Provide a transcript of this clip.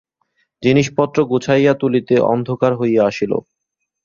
জিনিসপত্র গুছাইয়া তুলিতে অন্ধকার হইয়া আসিল।